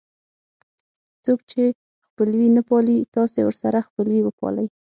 څوک چې خپلوي نه پالي تاسې ورسره خپلوي وپالئ.